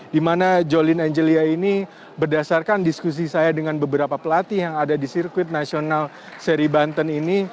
di mana jolin angelia ini berdasarkan diskusi saya dengan beberapa pelatih yang ada di sirkuit nasional seri banten ini